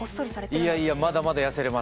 いやいやまだまだ痩せれます。